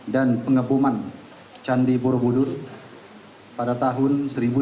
dan pengeboman candi borobudur pada tahun seribu sembilan ratus delapan puluh lima